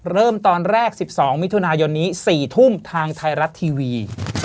เริ่มตอนแรก๑๒มิถุนายนนี้๔ทุ่มทางไทยรัฐทีวี